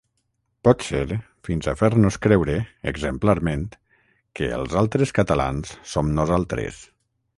Potser fins a fer-nos creure, exemplarment, que ‘els altres catalans’ som nosaltres.